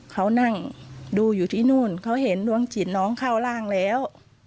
เขานั่งดูอยู่ที่นู่นเขาเห็นดวงจิตน้องเข้าร่างแล้ว